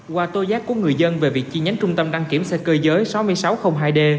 qua tô giác của người dân về việc chi nhánh trung tâm đăng kiểm xe cơ giới sáu nghìn sáu trăm linh hai d